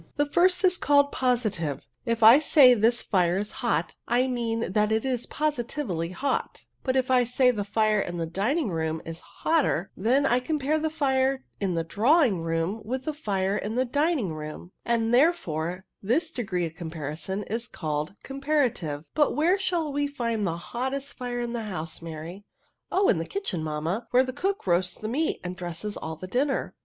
The first is called Positive. K I say thia fire is hot, I mean that it is positively hot; but if I say the fire in the dining«room ia hotter,, then I compare the fire in the draw ing room with the fire in the dining rooiQ ; and, therefore, this degree of comparispn is called Comparative ; but where shall we find the hottest fire in the house, Mary?" ^' Oh, in the kitchen, mamma, where the cook roasts the meat, and dresses all the dinner."